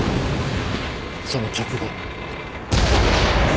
その直後。